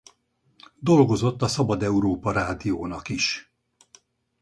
Dolgozott a Szabad Európa Rádiónak is.